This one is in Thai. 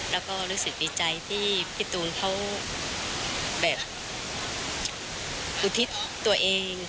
แล้วก็รู้สึกดีใจที่พี่ตูนเขาแบบอุทิศตัวเอง